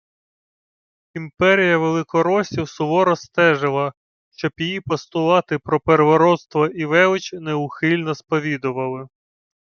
Імперія великоросів суворо стежила, щоб її постулати про «первородство» і «велич» неухильно сповідували